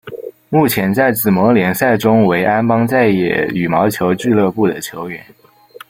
目前在紫盟联赛中为安邦再也羽毛球俱乐部的球员。